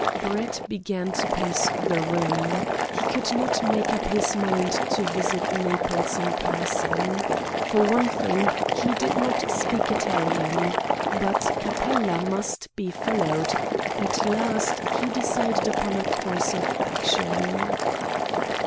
Brett began to pace the room. He could not make up his mind to visit Naples in person. For one thing, he did not speak Italian. But Capella must be followed. At last he decided upon a course of action.